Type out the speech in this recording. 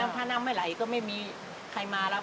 ถ้าน้ำไม่ไหลก็ไม่มีใครมารับ